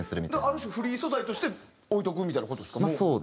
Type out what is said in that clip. ある種フリー素材として置いとくみたいな事ですか？